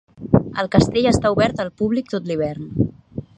El castell està obert al públic tot l'hivern.